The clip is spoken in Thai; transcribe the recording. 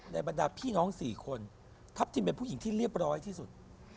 บรรดาพี่น้อง๔คนทัพทิมเป็นผู้หญิงที่เรียบร้อยที่สุด